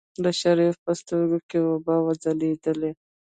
د شريف په سترګو کې اوبه وځلېدلې.